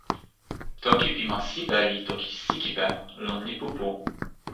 toki pi ma Sipe li "toki Sikipe" lon lipu pu.